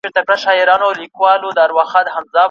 چي یې منکر دی هغه نادان دی